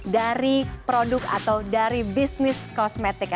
dari produk atau dari bisnis kosmetik